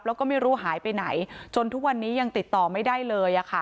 แล้วก็ไม่รู้หายไปไหนจนทุกวันนี้ยังติดต่อไม่ได้เลย